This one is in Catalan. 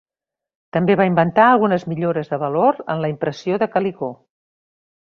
També va inventar algunes millores de valor en la impressió de calicó.